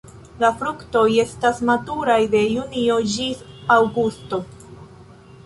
La fruktoj estas maturaj de junio ĝis aŭgusto.